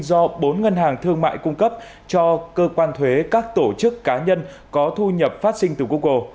do bốn ngân hàng thương mại cung cấp cho cơ quan thuế các tổ chức cá nhân có thu nhập phát sinh từ google